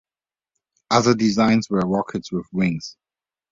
Other designs were rockets with wings.